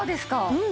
うん。